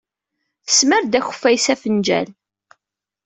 Tesmar-d akeffay s afenjal.